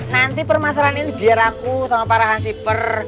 nanti permasalahan ini biar aku sama para hansiper